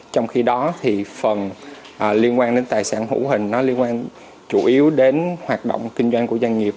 trong khi đó thì phần liên quan đến tài sản hữu hình nó liên quan chủ yếu đến hoạt động kinh doanh của doanh nghiệp